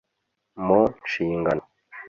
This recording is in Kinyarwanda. Mu nshingano